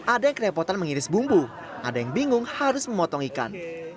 ada yang kerepotan mengiris bumbu ada yang bingung harus memotong ikan